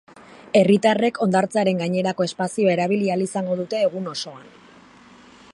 Herritarrek hondartzaren gainerako espazioa erabili ahal izango dute egun osoan.